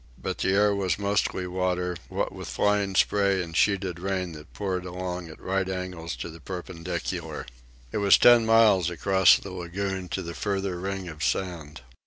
But the air was mostly water, what with flying spray and sheeted rain that poured along at right angles to the perpendicular. It was ten miles across the lagoon to the farther ring of sand.